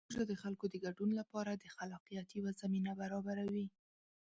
پروژه د خلکو د ګډون لپاره د خلاقیت یوه زمینه برابروي.